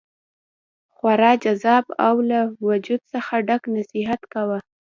خورا جذاب او له وجد څخه ډک نصیحت کاوه.